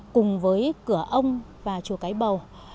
cùng với cửa ông và chùa cái bầu